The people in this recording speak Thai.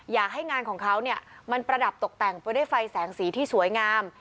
อยากให้งานของเขาเนี่ยมันประดับตกแต่งไปด้วยไฟแสงสีที่สวยงาม